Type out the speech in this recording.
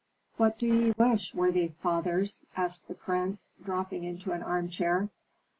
"What do ye wish, worthy fathers?" asked the prince, dropping into an armchair.